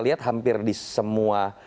lihat hampir di semua